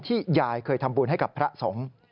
ยายเคยทำบุญให้กับพระสงฆ์